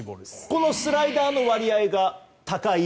このスライダーの割合が高い